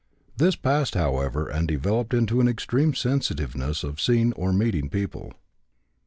This passed, however, and developed into an extreme sensitiveness of seeing or meeting people.